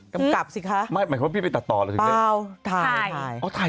กำกับสิคะไม่หมายความว่าพี่ไปตัดต่อเลย